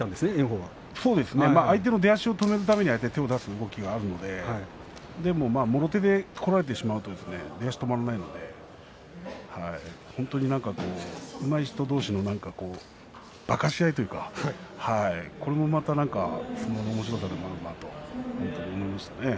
相手の出足を止めるために、手を出すことがあるんですがもろ手でこられてしまうと出足が止まらないので本当にうまい人どうしのばかし合いというかこれも相撲のおもしろさであるなと思います。